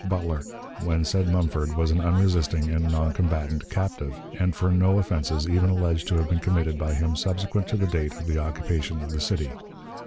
Butler, when said Mumford was an unresisting and non combatant captive, and for no offenses even alleged to have been committed by him subsequent to the date of the occupation of the city.